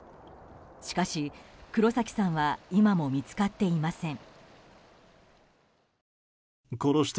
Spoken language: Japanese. しかし、黒崎さんは今も見つかっていません。